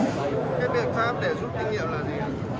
cái biện pháp để giúp kinh nghiệm là gì